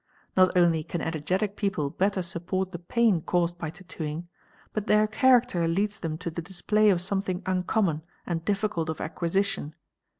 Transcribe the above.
Not only can energetic people better support the pain caused by tattooing, but— their character leads them to the display of something uncommon and difficult of acquisition.